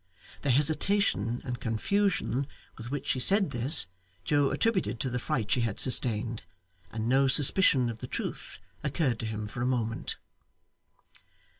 The hesitation and confusion with which she said this, Joe attributed to the fright she had sustained, and no suspicion of the truth occurred to him for a moment.